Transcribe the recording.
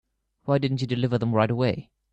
Why didn't you deliver them right away?